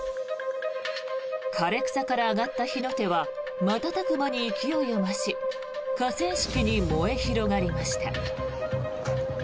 枯れ草から上がった火の手は瞬く間に勢いを増し河川敷に燃え広がりました。